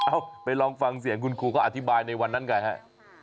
เอาไปลองฟังเสียงคุณครูเขาอธิบายในวันนั้นกันฮะ